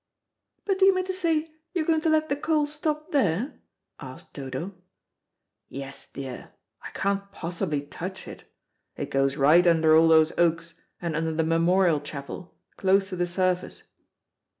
"But do you mean to say you're going to let the coal stop there?" asked Dodo. "Yes, dear, I can't possibly touch it. It goes right under all those oaks, and under the Memorial Chapel, close to the surface."